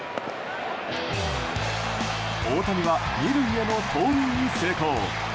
大谷は２塁への盗塁に成功。